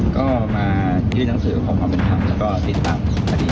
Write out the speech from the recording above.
ก็มายื่นหนังสือของความเป็นความและก็ติดตามสิทธิ์